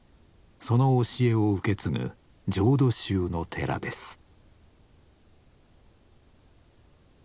その教えを受け継ぐ浄土宗の寺です。